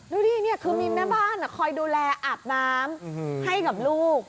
ดูดินี่คือมีแม่บ้านคอยดูแลอาบน้ำให้กับลูก